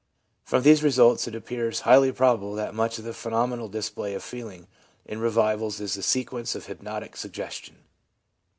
From these results it appears highly probable that much of the phenomenal display of feeling in revivals is the sequence of hypnotic suggestion.